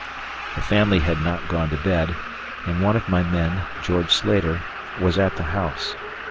The family had not gone to bed, and one of my men, George Slater, was at the house.